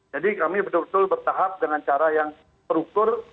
jadi kami betul betul bertahap dengan cara yang terukur